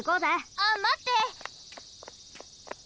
あっまって！